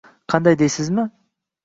“Qanday” deysizmi?